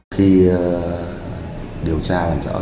khi điều tra làm rõ